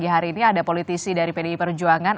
hari ini ada politisi dari pdi perjuangan